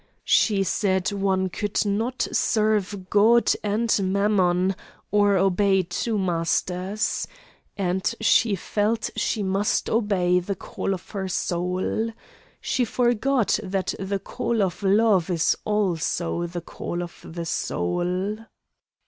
She said one could not serve God and Mammon, or obey two masters. And she felt she must obey the call of her soul. She forgot that the call of love is also the call of the soul.